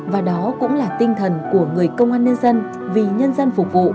và đó cũng là tinh thần của người công an nhân dân